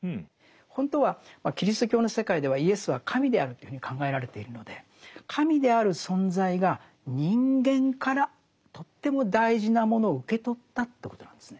本当はキリスト教の世界ではイエスは神であるというふうに考えられているので神である存在が人間からとっても大事なものを受け取ったということなんですね。